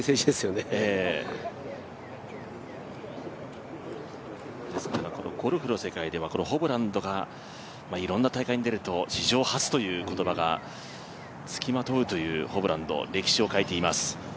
ですからゴルフの世界ではホブランドがいろんな大会に出ると史上初という言葉がつきまとうというホブランド歴史を変えています。